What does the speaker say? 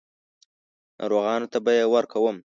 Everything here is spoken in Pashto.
ناروغانو ته به یې ورکوم.